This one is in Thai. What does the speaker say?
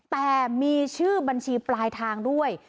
แต่มีชื่อบัญชีปลายทางด้วย